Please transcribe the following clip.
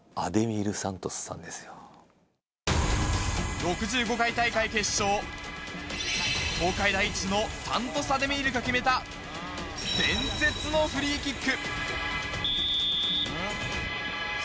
６５回大会決勝、東海大一の三渡洲アデミールが決めた伝説のフリーキック。